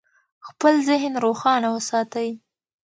خپل ذهن روښانه وساتئ.